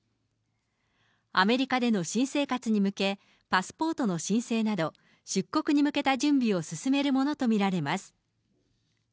アメリカでの新生活に向け、パスポートの申請など、出国に向けた準備を進めるものと見られます。